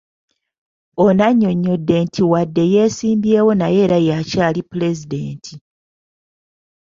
Ono annyonnyodde nti wadde yeesimbyewo naye era y'akyali Pulezidenti